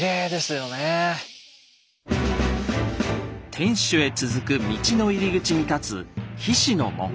天守へ続く道の入り口に立つ「菱の門」。